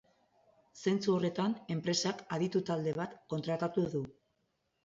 Zentzu horretan, enpresak aditu talde bat kontratatu du.